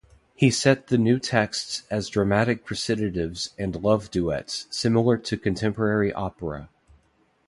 He set the new texts as dramatic recitatives and love-duets, similar to contemporary opera.